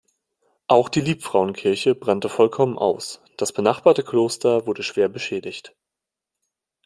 Auch die Liebfrauenkirche brannte vollkommen aus, das benachbarte Kloster wurde schwer beschädigt.